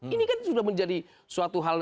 ini kan sudah menjadi suatu hal